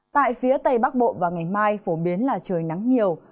tại phía tây bắc bộ và ngày mai phổ biến là trời nắng nhiều